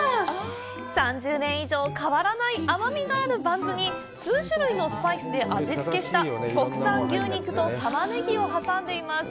３０年以上変わらない甘みがあるバンズに、数種類のスパイスで味付けした国産牛肉とタマネギを挟んでいます。